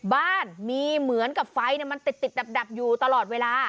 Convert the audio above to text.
บ้านมีเหมือนกับไฟมันติดดับอยู่ตลอดเวลา